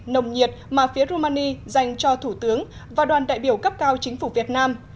nồng nhiệt mà phía romani dành cho thủ tướng và đoàn đại biểu cấp cao chính phủ việt nam